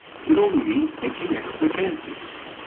It only means taking extra chances.